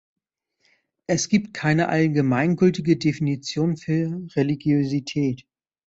Es gibt keine allgemeingültige Definition für Religiosität.